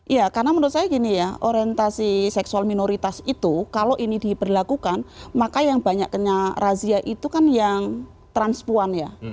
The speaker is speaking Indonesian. iya karena menurut saya gini ya orientasi seksual minoritas itu kalau ini diperlakukan maka yang banyaknya razia itu kan yang trans puan ya